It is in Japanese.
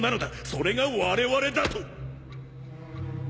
それが我々だと！